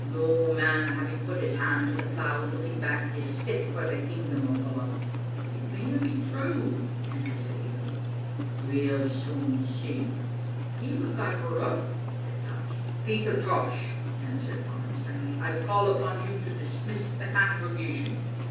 No man, having put his hand to the plough and looking back, is fit for the king dom of God. '"" It mayna be true," Hendry said eagerly. "We'll soon see." " He would gie her up," said Tosh. "Peter Tosh," answered Whamond sternly, "I call upon you to dismiss the congregation."